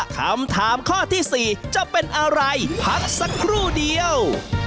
คำถามข้อที่๔จะเป็นอะไรพักสักครู่เดียว